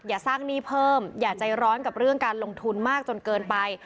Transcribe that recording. อย่าสร้างหนี้เพิ่มอย่าใจร้อนกับเรื่องการลงทุนมากจนเกินไป